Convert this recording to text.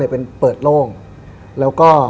เป็นเปิดโล่งแล้วก็